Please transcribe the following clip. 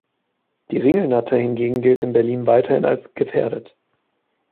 Die Ringelnatter hingegen gilt in Berlin weiterhin als "gefährdet".